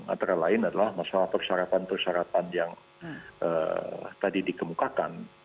antara lain adalah masalah persyaratan persyaratan yang tadi dikemukakan